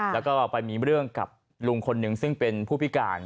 แล้วก็ไปมีเรื่องกับลุงคนหนึ่งซึ่งเป็นผู้พิการ